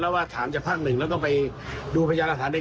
เราว่าถามจากภาคหนึ่งเราต้องไปดูพยาหรัฐฐานเอง